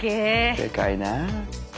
でかいなあ。